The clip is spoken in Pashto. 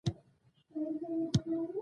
منډه د وجود سره مینه ده